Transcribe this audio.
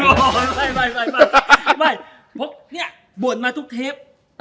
มีบวชมาทุกเทป